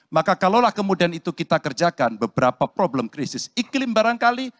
maka kalaulah kemudian itu kita kerjakan beberapa problem krisis iklim barangkali